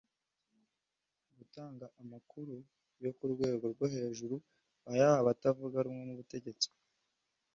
gutanga amakuru yo ku rwego rwo hejuru ayaha abatavuga rumwe n’ubutegetsi